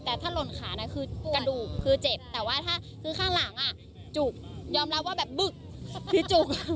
แต่ถ้าหล่นขานะคือกระดูกคือเจ็บแต่ว่าถ้าคือข้างหลังจุกยอมรับว่าแบบบึกพี่จุก